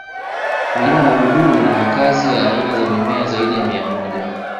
milima ya uluguru ni makazi ya aina za mimea zaidi ya mia moja